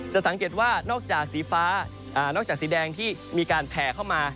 สังเกตว่านอกจากสีฟ้านอกจากสีแดงที่มีการแผ่เข้ามา